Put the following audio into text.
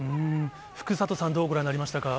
福里さん、どうご覧になりま